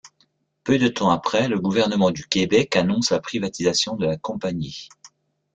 Peu de temps après, le gouvernement du Québec annonce la privatisation de la compagnie.